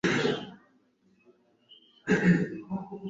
muri Amerika bakagira American Sign Language